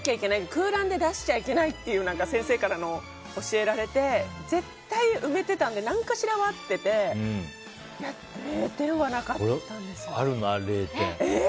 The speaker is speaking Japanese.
空欄で出しちゃいけないって先生から教えられて絶対埋めていたので何かしらは合っていたので俺はあるな、０点。